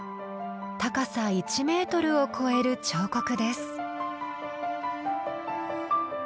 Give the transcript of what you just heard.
高さ１メートルを超える彫刻です。